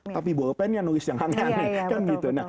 tapi bolpen yang nulis yang hanggan